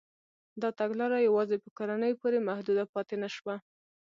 دا تګلاره یوازې په کورنیو پورې محدوده پاتې نه شوه.